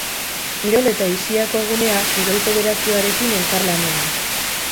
Kirol eta aisiako gunea, kirol-federaziorekin elkarlanean.